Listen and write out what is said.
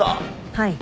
はい。